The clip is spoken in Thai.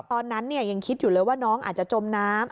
ตอนนั้นยังคิดอยู่เลยว่าน้องอาจจะจมน้ำ